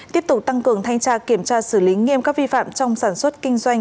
tiếp tục tăng cường thanh tra kiểm tra xử lý nghiêm các vi phạm trong sản xuất kinh doanh